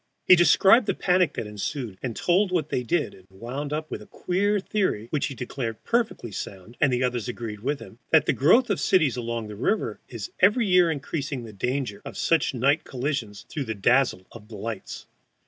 He described the panic that ensued, and told what they did, and wound up with a queer theory (which he declared perfectly sound, and the others agreed with him) that the growth of cities along the river is every year increasing the danger of such night collisions through the dazzle of lights.